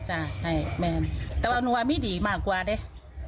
ใช่แต่ว่าไม่ดีมากกว่าเนี่ย